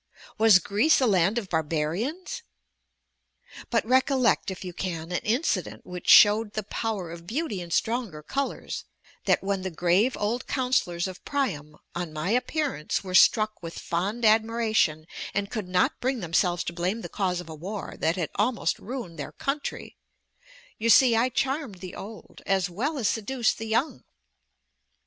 was Greece a land of barbarians? But recollect, if you can, an incident which showed the power of beauty in stronger colors that when the grave old counselors of Priam on my appearance were struck with fond admiration, and could not bring themselves to blame the cause of a war that had almost ruined their country; you see I charmed the old as well as seduced the young.